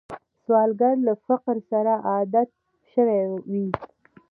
سوالګر له فقر سره عادت شوی وي